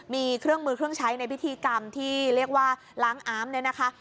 มีเครื่องมือเครื่องใช้ในพิธีกรรมที่เรียกว่าล้างอามเนี่ยนะคะ